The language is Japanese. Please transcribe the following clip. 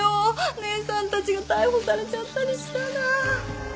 姉さんたちが逮捕されちゃったりしたら。